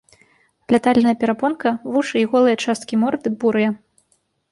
Лятальная перапонка, вушы і голыя часткі морды бурыя.